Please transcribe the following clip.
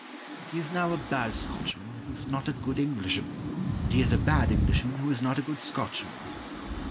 He is now a bad Scotchman who is not a good Englishman, and he is a bad Englishman who is not a good Scotchman.